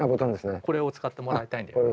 これを使ってもらいたいんだよね。